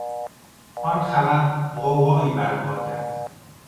آن خبر غوغایی بر پا کرد.